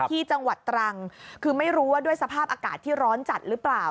ที่จังหวัดตรังคือไม่รู้ว่าด้วยสภาพอากาศที่ร้อนจัดหรือเปล่า